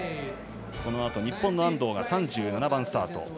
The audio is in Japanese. このあと日本の安藤が３７番スタート。